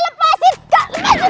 iya apaan sih ya lepasin